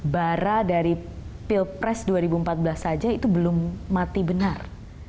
bara dari pilpres dua ribu empat belas saja itu belum mati benar